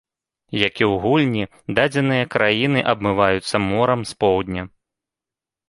Як і ў гульні, дадзеныя краіны абмываюцца морам з поўдня.